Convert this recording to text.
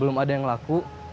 belum ada yang laku